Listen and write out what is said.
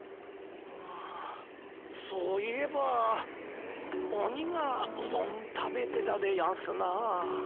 あそういえばオニがうどん食べてたでやんすな。